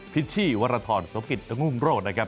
พิชชี่วรทรศพกิจองุมโรดนะครับ